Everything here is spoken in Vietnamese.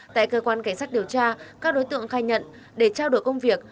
tại cơ quan cảnh sát điều tra các đối tượng khai nhận để trao đổi công việc